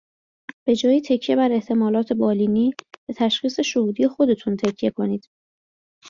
به جای تکیه بر احتمالات بالینی به تشخیص شهودی خودتون تکیه کنید!